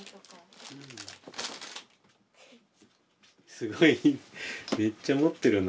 すごいめっちゃ持ってるな。